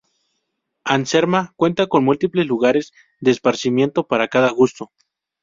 Anserma, cuenta con múltiples lugares de esparcimiento para cada gusto.